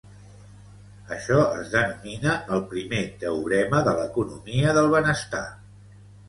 Això es denomina el primer teorema de l'economia del benestar.